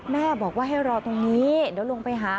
แม่บอกว่าให้รอตรงนี้เดี๋ยวลงไปหา